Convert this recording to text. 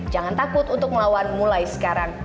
jangan takut untuk melawan mulai sekarang